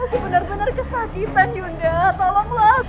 aku benar benar kesakitan yunda tolonglah